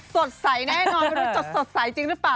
สดใสแน่นอนไม่รู้จะสดใสจริงหรือเปล่า